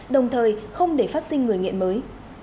đồng thời không để phát sinh người nghiện mới